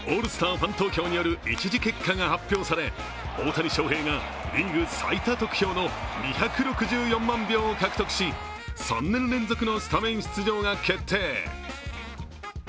ファン投票による一次結果が発表され大谷翔平がリーグ最多得票の２６４万票を獲得し、３年連続のスタメン出場が決定。